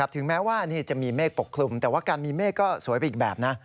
ถึงแม้ว่าจะมีเมฆปกคลุมแต่ว่าการมีเมฆก็สวยไปอีกแบบนะ